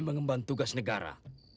pengembang tugas negara